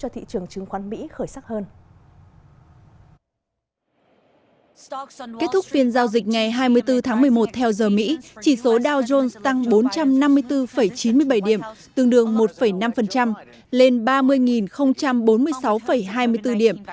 từ năm hai nghìn một mươi một theo giờ mỹ chỉ số dow jones tăng bốn trăm năm mươi bốn chín mươi bảy điểm tương đương một năm lên ba mươi bốn mươi sáu hai mươi bốn điểm